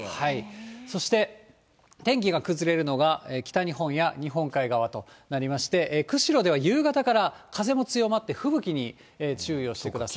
そして、天気が崩れるのが北日本や日本海側となりまして、釧路では夕方から風も強まって、吹雪に注意をしてください。